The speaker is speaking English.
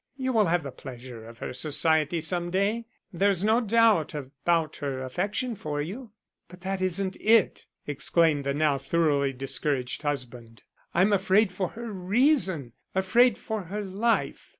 You will have the pleasure of her society some day. There is no doubt about her affection for you." "But that isn't it," exclaimed the now thoroughly discouraged husband. "I am afraid for her reason, afraid for her life.